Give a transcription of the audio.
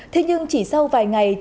thế nhưng chỉ sau vài ngày